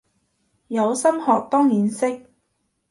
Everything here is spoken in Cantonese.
有心學當然識